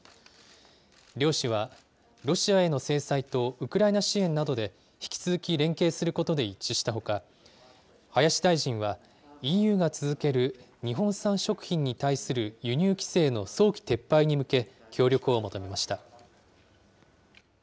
両氏は、ロシアへの制裁とウクライナ支援などで引き続き連携することで一致したほか、林大臣は、ＥＵが続ける日本産食品に対する輸入規制の早期撤廃に向け、協力を求めました。